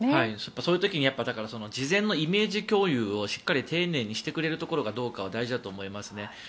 そういう時に事前のイメージ共有をしっかり丁寧にしてくれるところかどうかは大事だと思いますね。